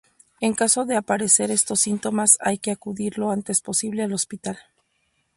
En caso de aparecer estos síntomas hay que acudir lo antes posible al hospital.